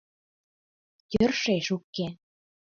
— Йӧршеш уке!